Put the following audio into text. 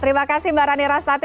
terima kasih mbak rani rastati